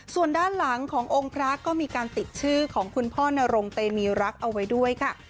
ส่วนด้านหลังขององค์พระก็มีการติดชื่อของคุณพ่อนรงเตมีรักเอาไว้ด้วยค่ะ